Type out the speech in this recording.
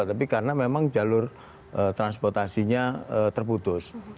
tapi karena memang jalur transportasinya terputus